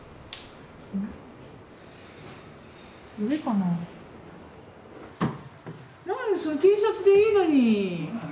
なんでＴシャツでいいのに。